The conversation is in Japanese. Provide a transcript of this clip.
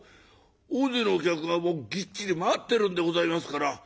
大勢のお客がもうぎっちり待ってるんでございますから。